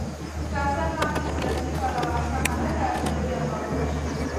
که څه هم له سیاسي پلوه سمه نه ده چې لویه موضوع شي.